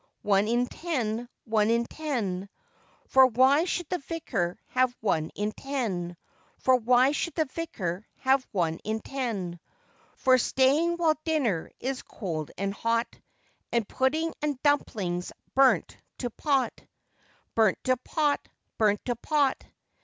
One in ten! one in ten! For why should the vicar have one in ten? For why should the vicar have one in ten? For staying while dinner is cold and hot, And pudding and dumpling's burnt to pot; Burnt to pot! burnt to pot!